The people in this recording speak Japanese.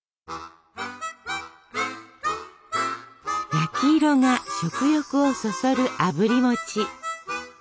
焼き色が食欲をそそるあぶり餅。